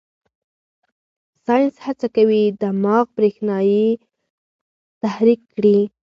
ساینس هڅه کوي دماغ برېښنايي تحریک کړي.